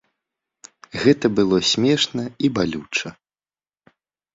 Гэта было смешна і балюча.